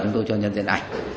chúng tôi cho nhân diện ảnh